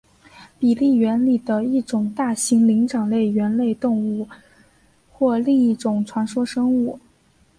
比利猿里的一种大型灵长类猿类动物或另一种传说生物。